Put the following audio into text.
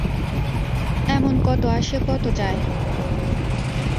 এমন কত আসে, কত যায়।